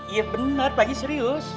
iya bener pak ji serius